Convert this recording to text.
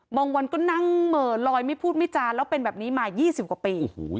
วันก็นั่งเหม่อลอยไม่พูดไม่จานแล้วเป็นแบบนี้มา๒๐กว่าปี